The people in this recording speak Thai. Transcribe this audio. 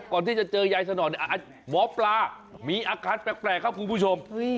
ก่อนที่จะเจอยายสนอเนี่ยหมอปลามีอาการแปลกครับคุณผู้ชม